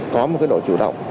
có một cái độ chủ động